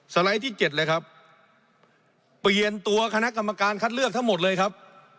ไลด์ที่๗เลยครับเปลี่ยนตัวคณะกรรมการคัดเลือกทั้งหมดเลยครับ